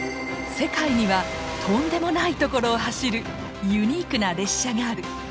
世界にはとんでもない所を走るユニークな列車がある！